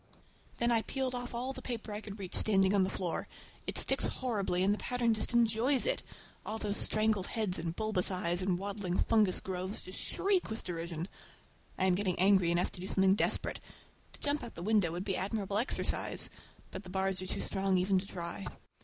Then I peeled off all the paper I could reach standing on the floor. It sticks horribly and the pattern just enjoys it! All those strangled heads and bulbous eyes and waddling fungus growths just shriek with derision! I am getting angry enough to do something desperate. To jump out of the window would be admirable exercise, but the bars are too strong even to try.